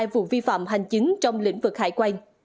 chín trăm một mươi hai vụ vi phạm hành chính trong lĩnh vực hải quan